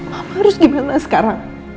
mama harus gimana sekarang